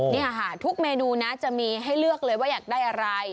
นี่ค่ะทุกเมนูนะจะมีให้เลือกเลยว่าอยากได้อะไร